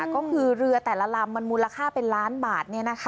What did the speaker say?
ก็คือเรือแต่ละลำมันมูลค่าเป็นล้านบาท